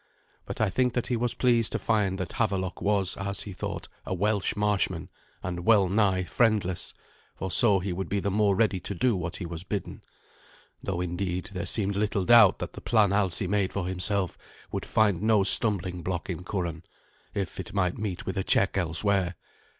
But I think that he was pleased to find that Havelok was, as he thought, a Welsh marshman, and well nigh friendless, for so he would be the more ready to do what he was bidden; though, indeed, there seemed little doubt that the plan Alsi made for himself would find no stumbling block in Curan, if it might meet with a check elsewhere.